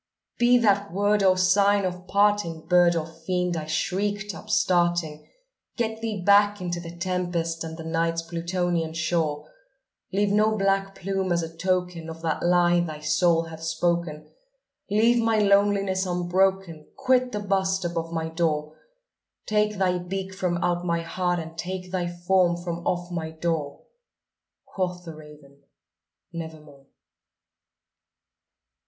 "Be that word our sign of parting, bird or fiend!" I shrieked upstarting "Get thee back into the tempest and the Night's Plutonian shore! Leave no black plume as a token of that lie thy soul hath spoken! Leave my loneliness unbroken! quit the bust above my door! Take thy beak from out my heart, and take thy form from off my door!" Quoth the raven, "Nevermore."